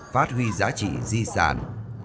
phát huy giá trị di sản